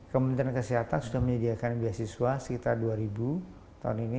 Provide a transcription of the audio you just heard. kementerian kesehatan sudah menyediakan beasiswa sekitar dua tahun ini